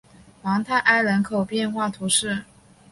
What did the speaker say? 芒泰埃人口变化图示